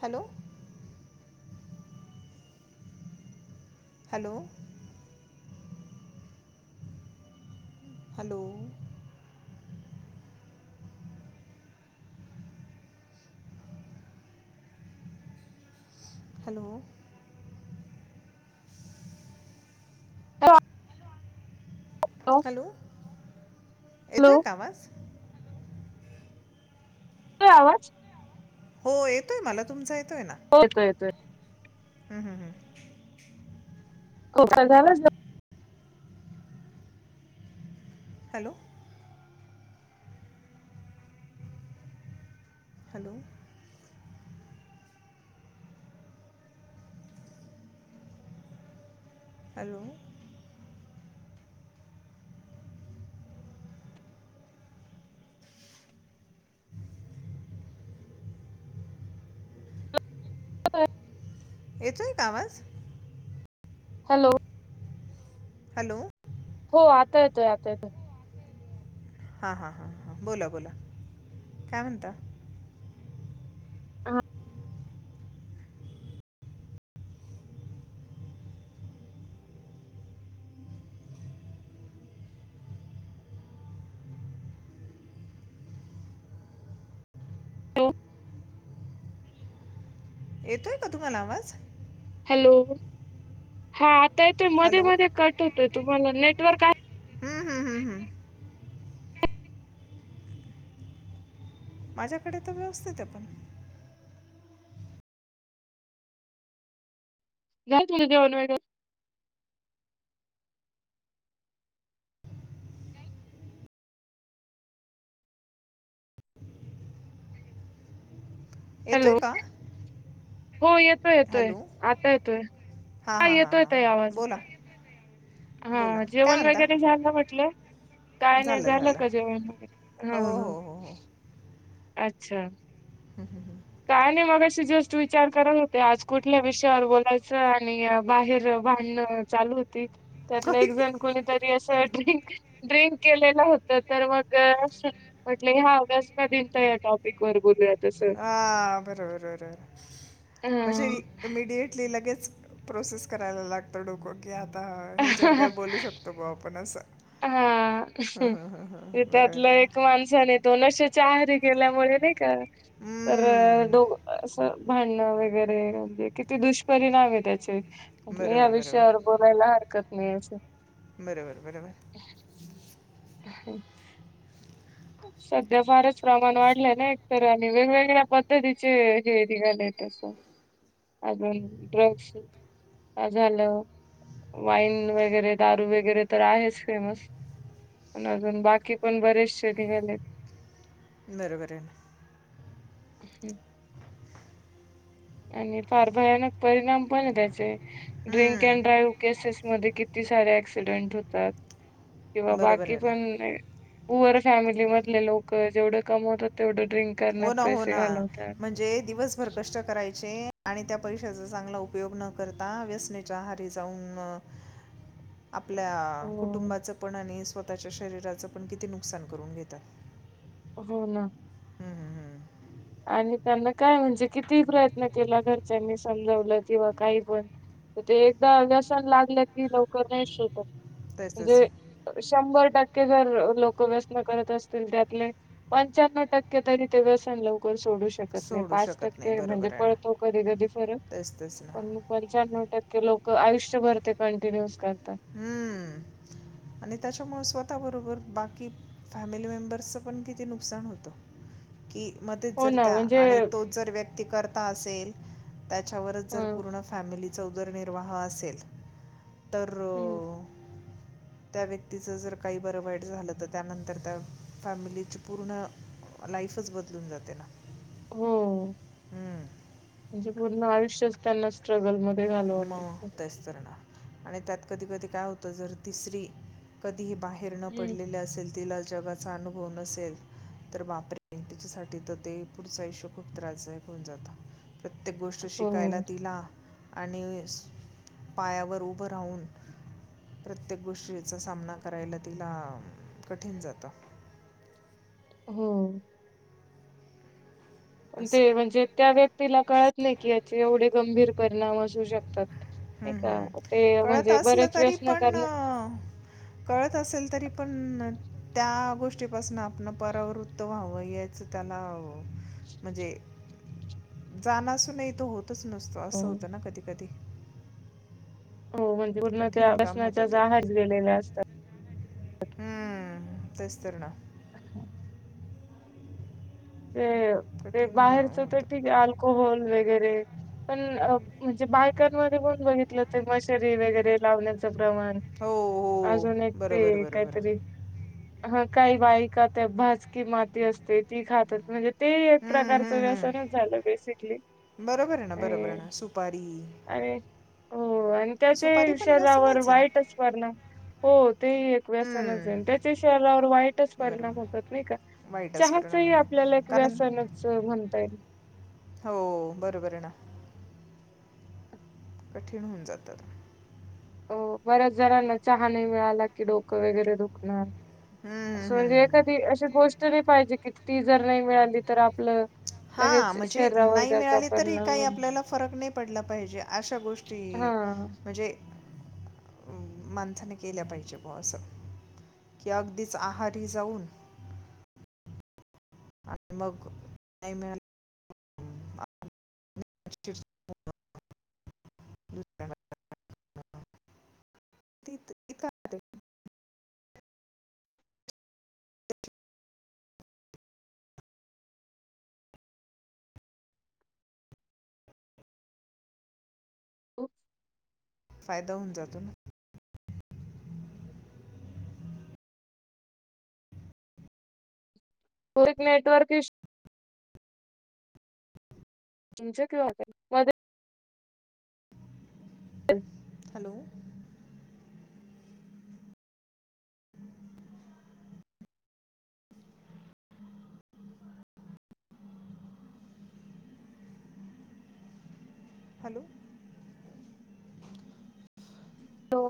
Hello hello hello hello तर hello येतो hello एक आवाज काय आवाज हो येतोय मला तुमचा होे. येतोय येतोय. हम हम हम हम. खोकला झालाच. Hello, hello hello. हो [unintelligible] येतोय का आवाज? हॅलो. हॅलो, हो आता येतोय आता येतोय. हा हा हा हा बोला बोला काय म्हनता? आहा. त [unintelligible] येतोय का तुम्हाला आवाज? हॅलो, हा आता येते मध्ये हॅलो मध्ये कट होतोय तुम्हाला नेटवर्क हम्म हम्म हम्म हम्म. माझ्याकडे त व्यवस्थित आहे पण. नाही तुझ जेवण वेगळं. हॅलो येतोय का? हो येतोय येतोय हॅलो आता येतोय हां येतोय ताई आवाज. बोला हां, काय जेवण म्हणता वेगेरे झालं म्हटलं. काय नाई झालं का जेवण? हो हम ह हो हो हो आच्छा. हा हम हम का नाही मगशी जस्ट विचार करत होते आज कुठल्या विषयावर बोलायचं आणि बाहेर भांडन चालू होती त्यात एक हं. जण कोणीतरी असं ड्रिंक ड्रिंक केलेलं होत तर मग म्हटले ह्या ऑगस्ट म दिन या टॉपिक वर बोलूया तसं हा बरोबर बरोबर हा इमिडिटली लगेच प्रोसेस करायला लागतो डोकं कि आता ह्याच्यावर काय बोलू शकतो ग आपण असं हा हं, हं, हं, हं. बरोबर त्यातलं बरोबर एक माणसाने दोनश चहरी केल्यामुळे नाही का तर हम्म. दो असं भांडणं वगैरे णजे किती दुष्परिणाम आहे त्याचे या बरोबर विषयावर बोलायला हरकत हम् बरोबर बरोबर ह ह सध्या फारच प्रमाण वाढलंय ना एकतर आणि वेगवेगळ्या पद्धतीचे हे निघाले तसं अ ड्रगस झालं वाईन वगैरे दारू वगैरे तर आहेच फेमस पण अजून बाकी पण बरेच श निघालेत बरोबर ना ह् आणि फार भयानक परिणाम पण आहे त्याचे ड्रिंक अँड हम्म. ड्राईव्ह केसेस मध्ये किती सारे ऍक्सिडेंट होतात किंवा बरोबर बाकी आहे ना पण पुुअर फॅमिली मधले लोक जेवढं कमवतात तेवढं ड्रिंक हो करण्यात ना हो पैसे ना घालवतात. म्हणजे दिवसभर कष्ट करायचे आणि त्या पैशाचा चांगला उपयोग न करता व्यसनेच्या आहारी जाऊन आपल्या हो कुटुंबाचं पण आणि स्वतःच्या शरीराचं पण किती नुकसान करून घेतात हो ना हम्म, हम्म, हम्म. आणि त्यांना काय म्हणजे किती प्रयत्न केला घरच्यांनी समजवलं किंवा काही पण तर ते एकदा अ व्यसन लागलं की लवकर नाही शोत तेच तेच म्हणजे शंभर टक्के जर लोक व्यसन करत असतील त्यातले पंच्यान्व टक्के तरी ते व्यसन लव सोडू शकत नाही सोडू पाच शकत नाही टक्के म्हणजे बरोबर आहे ना पळतो कधी कधी फरक तेच तेच ना पण पंच्याण्णव टक्के लोक आयुष्य भरते कंटिन्युअस कर हम्म आणि त्याच्यामुळे स्वतः बरोबर बाकी फॅमिली मेंबर्सच पण किती नुकसान होत कि मध्येत हो जर ना द्या म्हणजे आणि तोच जर व्यक्ती करता असेल त्याच्यावरच जर हा पूर्ण फॅमिलीचा उदरनिर्वाह असेल तर हम्म ह त्या व्यक्तीचं जर काही बरं वाईट झालं तर त्यानंतर त्या फॅमिलीची पूर्ण लाईफच बदलून जाते ना हो हम्म म्हणजे पूर्ण आयुष्यच त्यांना स्ट्रगल मध्ये घालवा मग ला तेच तर ना आणि त्यात कधी कधी काय होत जर तिसरी कधीही बाहेर न हम्म. पडलेली असेल तिला जगाचा अनुभव नसेल तर बापरे त्याच्यासाठी तर ते पुढचा आयुष्य खूप त्रासदायक होऊन जात प्रत्येक गोष्ट शिकायला हो तिला आणि पायावर उभं राहून प्रत्येक गोष्टीचा सामना करायला तिला कठीण जातं हो ते असं म्हणजे त्या व्यक्तीला कळत नाही कि याचे एवढे गंभीर परिणाम असू शकते हं, का हं. ते कळत म्हणजे असलं बरेच तरी व्यसन पण करण अ, कळत असेल तरी पण त्या गोष्टीपासून आपण परावृत्त व्हावं यायचं त्याला म्हणजे जाण अस नाही तो होतच नसतो हो. असं होतं ना कधी कधी हो म्हणजे उनण त्या कठीण काम होतं बसनाच्याच आज गेलेल्या असतात हम्म तेस्तरणा ह ते ते कठीण अ, बाहेरच तर होतं ठीक आहे अल्कोहोल वगैरे पण म्हणजे बायकांमध्ये पण बघितलं ते मशरी वगैरे लावण्याच ण हो हो अजून एक बरोबर ते बरोबर काहीतरी हा काय बाक त्या भाजकी माती असते ती खातात म्हणजे ते एक हं, प्रकारचं हं, हं. व्यसनच झालं बेसिकली बरोबर आहे ना बरोबर आणि ना सुपारी आणि हो आणि त्याचे सुपारी पण शरीरावर व्यसनच आहे ना वाईटच वर्णाम होत ते एक व्यासानईन हं, त्याच्या शरीरावर वाईटच परिणाम बरोबर होतात नाही का वाईटच चहाचा परिणाम चहाला नाही एक कारण व्यासनच म्हणता येईल हो बरोबर आहे ना कठीण होऊन जातात हो बऱ्याच जणांना चहा नाही मिळाला की डोकं वेगैरे दुखणार. हम्म असं म्हणजे हम्म. एखादी अशी गोष्ट नाही पाहिजे की ती जर नाही मिळाली तर आपलं- हा लगेच म्हणजे शरीरावर नाही त्याचा मिळाली तरी परिणाम काही होईल. आपल्याला फरक नाही पडला पाहिजे अशा गोष्टी हा म्हणजे माणसाने केल्या पाहिजे ब असं की अगदीच आहारी जाऊन आणि मग नाही मिळालं [inaudible] ु [inaudible] फायदा होऊन जातो ना. हो एक नेटवर्क इशु तुमच्या किंवा का मध्ये हम् [inaudible] हॅलो हॅलो हॅलो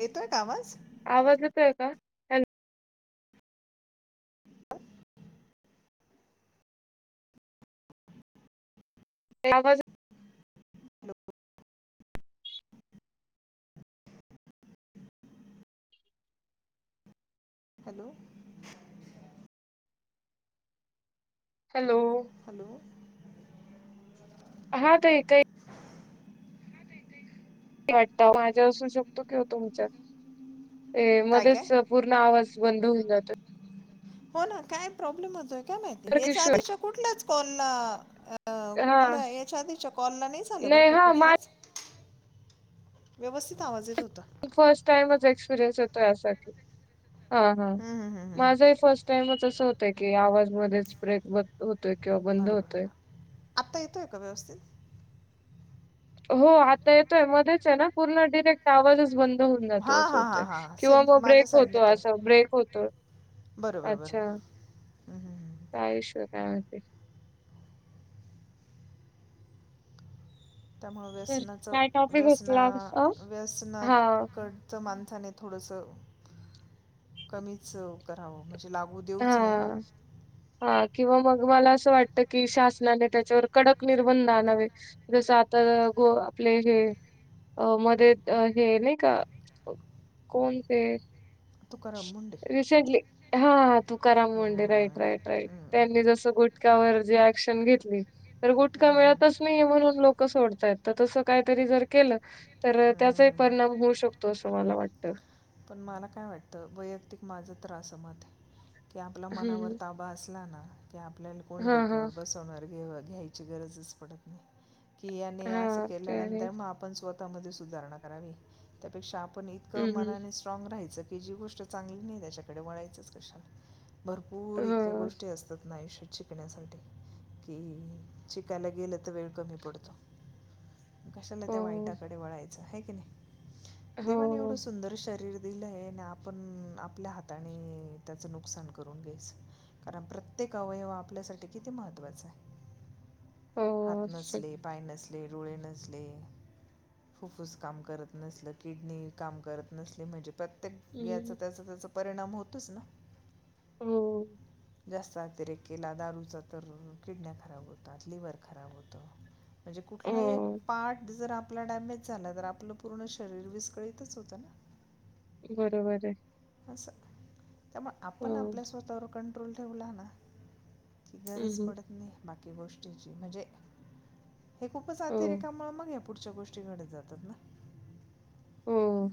येतोय का आवाज आवाज येतोय का हॅलो आवाज हॅलो हॅलो हॅलो हॅलो हा ताई काही वा माझ्या असू शकतो कि हो तुमच्या ते काय मध्येच काय पूर्ण आवाज बंद होऊन जातं हो ना काय प्रॉब्लेम होतय का माहिती तर याच्या किशोर आधीच्या कुठल्याच कॉलला अ हा कुठलं याच्या आधीच्या कॉलला नाही झालं बर का हा माझा कुठलंच व्यवस्थित आवाज येत होता फर्स्ट टाइमच एक्सपिरियन्स येतो यासाठी हा हा हम्म, हम्म, हम्म, हम्म. माझाही फर्स्ट टाइमच असं होतय की आवाज मध्येच ब्रेक बंद होतोय. किंवा बंद बरोबर आहे होतोय ना आत्ता येतोय का व्यवस्थित हो आता येतोय मध्येच आहे ना पुर्ण डिरेक्ट आवाजच बंद होऊन जातोच हां असं हां होतय हां हां किंवा सेम मग ब्रेक माझ्या होतो साईडने पण असं ब्रेक होतोय बरोबर बरोबर अच्छा हम्म, हम्म, हम्म. काय काय होते त्यामुळे तर व्यसनाच काय टॉपिक व्यसना होतला अ? हा व्यसनाकडच मान खाणे थोडसं कमीच करावं म्हणजे हो देऊच नाही हा. हा किंवा मग मला असं वाटत की शासनाने त्याच्यावर कडक निर्बंध आणावे जसं आ तर गो आपले हे मध्ये हे नाही का- कोणते तुकाराम मुंडे हा तुकाराम मुंडे हम्म. राईट राईट राईट हम्म. त्यांनी जसं गुटख्यावर जे ॲक्शन घेतली तर गुटखा हम्म. मिळतच नाही म्हणून लोक सोड तसं काहीतरी जर केलं तर हम्म, त्याचाही हम्म. परिणाम होऊ शकतो असं मला वाटत. पण मला काय वाटतं वैयक्तिक माझं तर असं मत आहे. की आपला मनावर हम्म ताबा असला ना की आपल्याला कोणी हा हा डोक्यावर बसवणार घेव घ्यायची गरज पडत नाही कि याने अस हा ते आहे. केल्यानंतर मग आपण स्वत सुधारणा करावी त्यापेक्षा आपण इतक हम्म मनाने स्ट्रॉंग राहायचं की जी गोष्ट चांगली नाही त्याच्याकडे वळायचंच कशाला भरपूर इतक्या हम्म गोष्टी असतात ना आयुष्यात शिकण्यासाठी की शिकायला गेलं तर वेळ कमी पडतो. कशाला हो त्या वाईटाकडे वळायचं आहे की नाही, देवाने एवढं हो हो सुंदर शरीर दिलंय आणि आपण हाताने त्याच नुकसान करून घ्यायचं, कारण प्रत्येक अव यव आपल्यासाठी किती महत्वाचा आहे, हात हो. नसले पाय नसले डोळे नसले, फुफ्फुस काम करत नसलं, किडनी काम करत नसली म्हणजे प्रत्येक याचा हं, त्याचा त्याचा परिणाम होतोच ना. हम्म जास्त अतिरेक केला दारूचा तर किडण्या खराब होतात लिवर खराब होतं. म्हणजे अ, कुठलाही एक पार्ट जर आप पला डॅमेज झाला तर आपलं पूर्ण शरीर विस्कळीतच होतं ना. बरोबर आहे. असं त्यामुळे आपण हो, आपल्या स्वतःवर कंट्रोल ठेवला ना ती हं, गरज हं, पडत नाही बाकी गोष्टीची म्हणजे हे खूपच हो, अतिरेकामुळं मग या पुढच्या गोष्टी घडत जातात ना. हम्म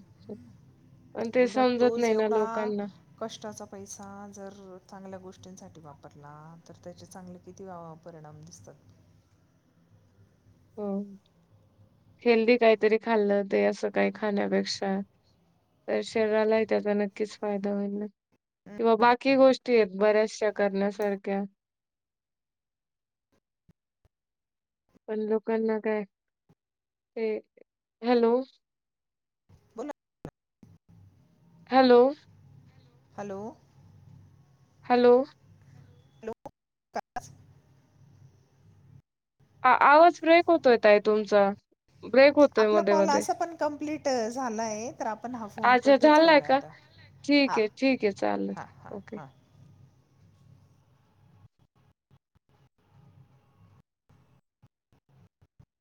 उलट तोच एवढा कष्टाचा पैसा जर चांगल्या गोष्टींसाठी वापरला तर त्याचे चांगले किती वा परिणाम दिसतात. [unintelligible] हम्म हेल्दी काहीतरी खाल्लं ते असं काही खाण्यापेक्षा तर शरीरालाही त्याचा नक्कीच फायदा होईल ना, हम्म, किंवा बाकी गोष्टी आहेत बऱ्याच शा करण्यासारख्या, पण लोकांना काय ते हॅलो बोला हॅलो हॅलो हॅलो हॅलो आ आवाज ब्रेक होतोय ताई तुमचा. ब्रेक होतोय आपला मध्ये कॉल मध्ये. असं पण कंप्लीट झालाय. अच्छा झालाय का? ठीक हां आहे ठीक आहे चालेल हां हां ओके. हां